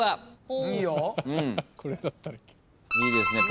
いいですね